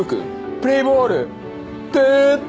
プレーボールぷーって？